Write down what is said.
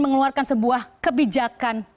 mengeluarkan sebuah kebijakan